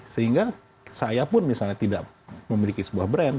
sehingga saya pun misalnya tidak memiliki sebuah brand